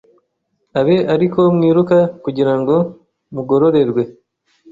abe ari ko mwiruka kugira ngo mugororerwe.